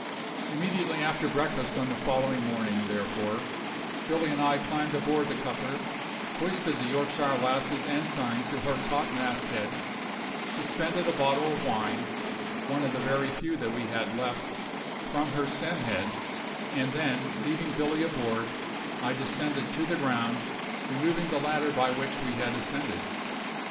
Immediately after breakfast on the following morning, therefore, Billy and I climbed aboard the cutter, hoisted the Yorkshire Lass's ensign to her topmast head, suspended a bottle of wine one of the very few that we had left from her stem head, and then, leaving Billy aboard, I descended to the ground, removing the ladder by which we had ascended.